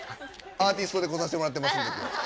アーティストで来させてもらってますんで今日。